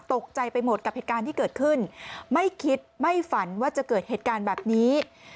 ตกใจไปหมดกับเหตุการณ์ที่เกิดขึ้นไม่คิดไม่ฝันว่าจะเกิดเหตุการณ์แบบนี้